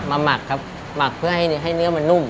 หมักครับหมักเพื่อให้เนื้อมันนุ่ม